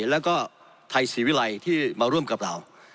แล้วก็ไทยศรีวิรัยที่มาร่วมกับเรา